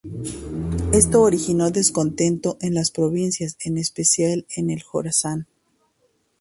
Esto originó descontento en las provincias, en especial en el Jorasán.